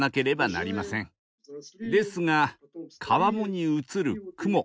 ですが川面に映る雲